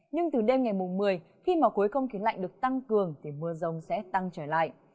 nhưng từ đêm ngày một mươi khi mà khối không khí lạnh được tăng cường thì mưa rông sẽ tăng trở lại